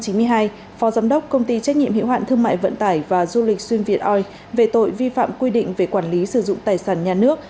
phó giám đốc công ty trách nhiệm hiệu hạn thương mại vận tải và du lịch xuyên việt oi về tội vi phạm quy định về quản lý sử dụng tài sản nhà nước